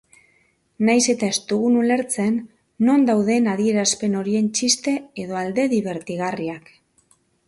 Nahiz eta ez dugun ulertzen non dauden adierazpen horien txiste edo alde dibertigarriak.